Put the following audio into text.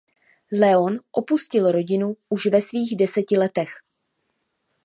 Leon opustil rodinu už ve svých deseti letech.